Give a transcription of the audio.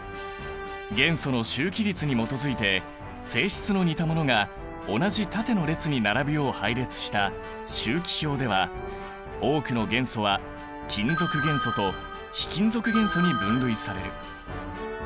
元素の周期律に基づいて性質の似たものが同じ縦の列に並ぶよう配列した周期表では多くの元素は金属元素と非金属元素に分類される。